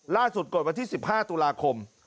ล่าสุดกดวันที่๑๕ตุลาคม